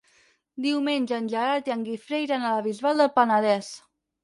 Diumenge en Gerard i en Guifré iran a la Bisbal del Penedès.